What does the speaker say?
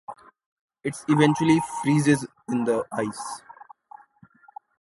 It eventually freezes in the ice.